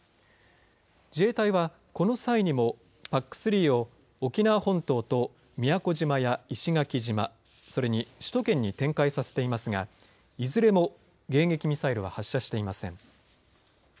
自衛隊は、この際にもＰＡＣ３を沖縄本島と宮古島や石垣島それに首都圏に展開させていますがいずれも迎撃ミサイルは発射していません。